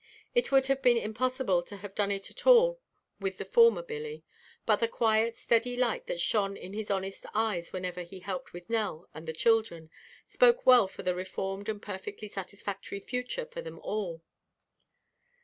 It would have been impossible to have done it at all with the former Billy, but the quiet, steady light that shone in his honest eyes whenever he helped with Nell and the children spoke well for a reformed and perfectly satisfactory future for them all.